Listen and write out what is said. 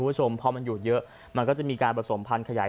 คุณผู้ชมพอมันอยู่เยอะมันก็จะมีการผสมพันธ์ขยาย